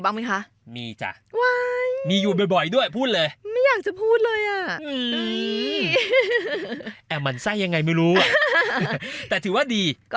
ถ้างานดีเงินก็จะดี